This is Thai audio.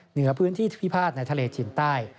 เหนือพื้นที่พิพาทในทะเลจีนใต้